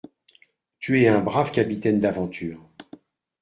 Tu es un brave capitaine d’aventure.